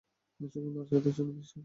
সুগন্ধ আর স্বাদের জন্য বিশ্বখ্যাত।